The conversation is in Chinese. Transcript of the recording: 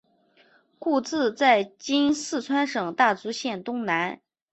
故治在今四川省大竹县东南。